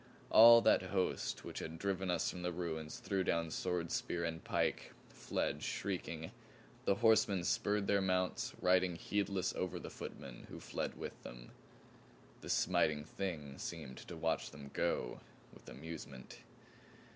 All that host which had driven us from the ruins threw down sword, spear, and pike; fled shrieking. The horsemen spurred their mounts, riding heedless over the footmen who fled with them. The Smiting Thing seemed to watch them go with AMUSEMENT!